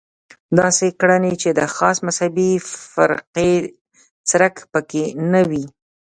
داسې کړنې چې د خاصې مذهبي فرقې څرک به په کې نه وي.